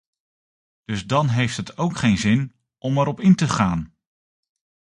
Dus dan heeft het ook geen zin om er op in te gaan.